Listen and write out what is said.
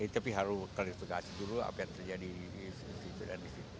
tapi harus klarifikasi dulu apa yang terjadi di situ dan di situ